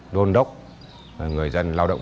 đôn đốc người dân lao động